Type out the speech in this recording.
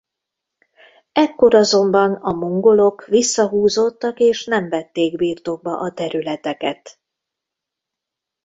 Ekkor azonban a mongolok visszahúzódtak és nem vették birtokba a területeket.